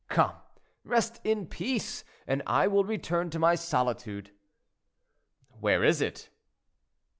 Come, rest in peace, and I will return to my solitude." "Where is it?"